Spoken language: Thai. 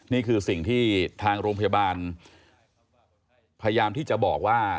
นี่คือสิ่งที่ทางโรงพยาบาลพยายามที่จะบอกว่า